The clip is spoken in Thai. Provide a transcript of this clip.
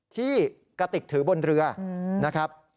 กระติกถือบนเรือนะครับ